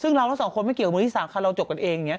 ซึ่งเราทั้งสองคนไม่เกี่ยวกับมือที่๓ค่ะเราจบกันเองอย่างนี้